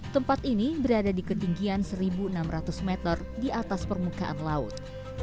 tempat ini berada di ketinggian seribu enam ratus meter di atas permukaan laut